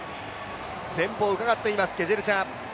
前方をうかがっています、ケジェルチャ。